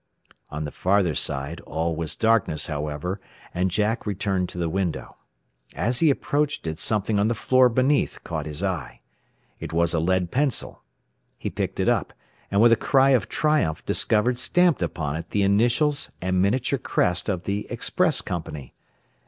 On the farther side all was darkness, however, and Jack returned to the window. As he approached it something on the floor beneath caught his eye. It was a lead pencil. He picked it up, and with a cry of triumph discovered stamped upon it the initials and miniature crest of the express company.